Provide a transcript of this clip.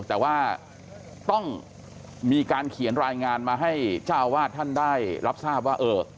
แต่ว่าต้องมีการเขียนรายงานมาให้เจ้าอาวาสท่านได้รับทราบว่า